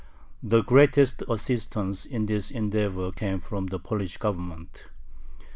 The greatest assistance in this endeavor came from the Polish Government.